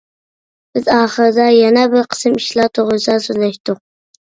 بىز ئاخىرىدا يەنە بىر قىسىم ئىشلار توغرىسىدا سۆزلەشتۇق.